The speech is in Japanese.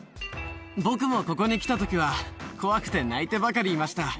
僕もここに来たときは怖くて泣いてばかりいました。